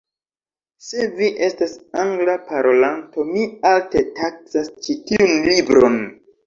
Se vi estas Angla parolanto, mi alte taksas ĉi tiun libron.